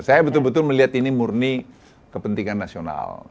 saya betul betul melihat ini murni kepentingan nasional